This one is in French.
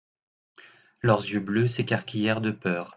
Leurs yeux bleus s'écarquillèrent de peur.